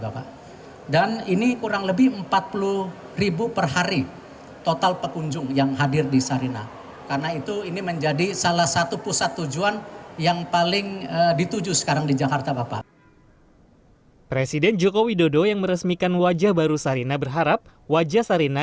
produk produk dalam negeri kita